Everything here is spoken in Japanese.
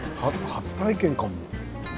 初体験かも。